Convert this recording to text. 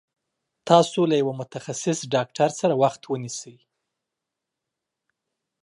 تاسو له يوه متخصص ډاکټر سره وخت ونيسي